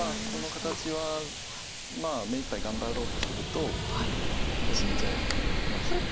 この形はまあ目いっぱい頑張ろうとすると何か死んじゃいます。